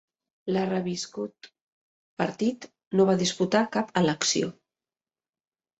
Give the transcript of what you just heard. La reviscut partit no va disputar cap elecció.